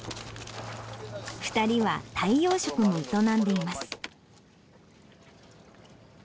２人はタイ養殖も営んでいます。